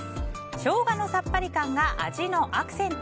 ショウガのさっぱり感が味のアクセント！